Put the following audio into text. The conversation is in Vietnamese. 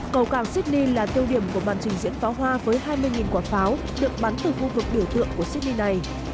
cầu cảng sydney là tiêu điểm của màn trình diễn pháo hoa với hai mươi quả pháo được bắn từ khu vực biểu tượng của sydney này